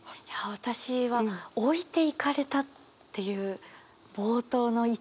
私は「置いていかれた」っていう冒頭の一文。